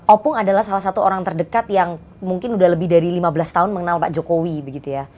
opung adalah salah satu orang terdekat yang mungkin sudah lebih dari lima belas tahun mengenal pak jokowi begitu ya